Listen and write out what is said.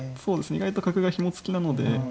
意外と角がひも付きなので。